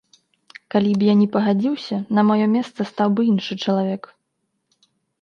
Калі б я не пагадзіўся, на маё месца стаў бы іншы чалавек.